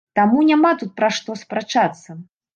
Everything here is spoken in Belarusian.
Таму, няма тут пра што спрачацца.